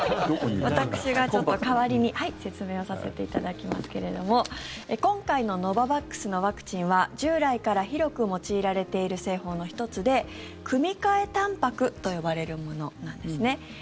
私が代わりに説明をさせていただきますけども今回のノババックスのワクチンは従来から広く用いられている製法の１つで組み換えたんぱくと呼ばれるものなんですね。